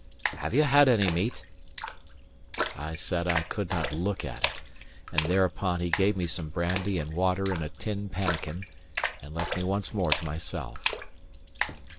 Have you had any meat?" * Stroke. I said I could not look at it: and thereupon he gave me some brandy and water in a tin pannikin, and left me once more to myself.